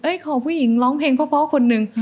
ขอผู้หญิงร้องเพลงเพราะคนหนึ่ง